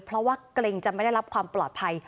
เพราะว่าเกรงจะไม่ได้รับความปลอดภัย